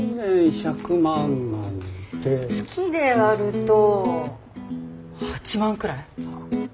月で割ると８万くらい？